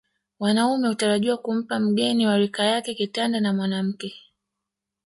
Wanaume hutarajiwa kumpa mgeni wa rika yake kitanda na mwanamke